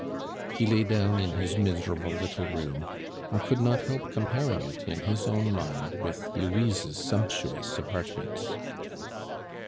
He lay down in his miserable little room, and could not help comparing it in his own mind with Louise's sumptuous apartments.